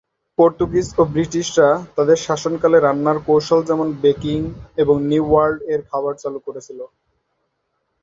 Portuguese ও ব্রিটিশরা তাদের শাসনকালে রান্নার কৌশল যেমন বেকিং এবং নিউ ওয়ার্ল্ড এর খাবার চালু করেছিল।